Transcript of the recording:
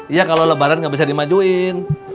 iya kalau lebaran nggak bisa dimajuin